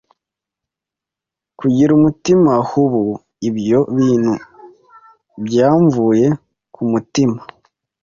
kugira umutima hubu, ibyo bintu byamvuye ku mutima,